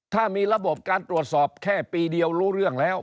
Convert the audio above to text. ถ้ามีระบบการตรวจสอบแค่ปีเดียวรู้เรื่องแล้ว